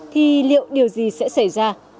thì liệu điều gì sẽ xảy ra